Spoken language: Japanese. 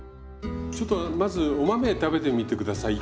ちょっとまずお豆食べてみて下さい。